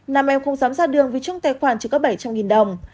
nam em không dám ra đường vì trong tài khoản chỉ có bảy trăm linh đồng